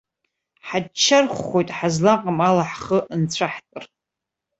Ҳаччархәхоит, ҳазлаҟам ала ҳхы нцәаҳтәыр!